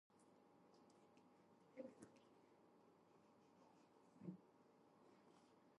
The cabling layout used to link devices is the physical topology of the network.